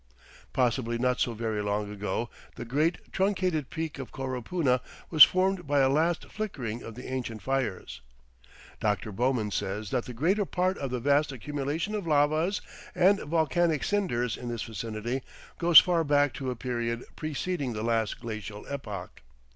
Possibly not so very long ago the great truncated peak of Coropuna was formed by a last flickering of the ancient fires. Dr. Bowman says that the greater part of the vast accumulation of lavas and volcanic cinders in this vicinity goes far back to a period preceding the last glacial epoch.